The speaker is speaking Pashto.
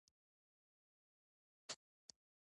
موږ باید خپلواک اوسو.